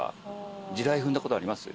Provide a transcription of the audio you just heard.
地雷踏んだことあります？